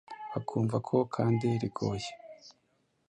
bakumva ko kandi rigoye